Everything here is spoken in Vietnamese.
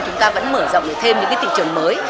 chúng ta vẫn mở rộng được thêm những cái thị trường mới